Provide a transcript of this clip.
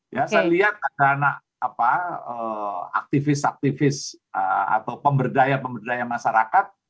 ya saya lihat ada anak aktivis aktivis atau pemberdaya pemberdayaan masyarakat